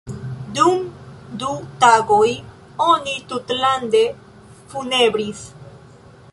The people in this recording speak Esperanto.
Dum du tagoj oni tutlande funebris.